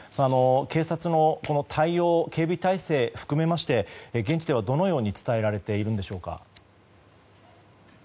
警察の対応警備態勢を含めまして現地では、どのように伝えられているのでしょうか。